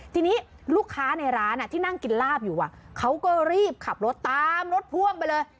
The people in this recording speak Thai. ทีนี้ลูกค้าในร้านที่นั่งกินลาบอยู่เขาก็รีบขับรถตามรถพ่วงไปเลย